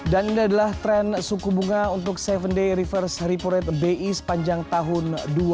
dan ini adalah tren suku bunga untuk tujuh d reverse repo rate bi sepanjang tahun dua ribu delapan belas